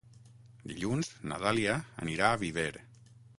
Dilluns na Dàlia anirà a Viver.